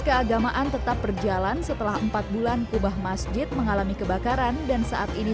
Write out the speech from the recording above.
keagamaan tetap berjalan setelah empat bulan kubah masjid mengalami kebakaran dan saat ini